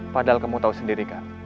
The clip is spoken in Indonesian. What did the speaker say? padahal kamu tahu sendirikan